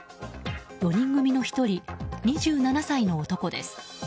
４人組の１人、２７歳の男です。